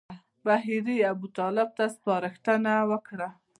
بهیري ابوطالب ته سپارښتنه وکړه.